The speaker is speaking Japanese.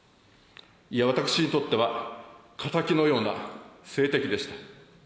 いや私にとっては、敵のような政敵でした。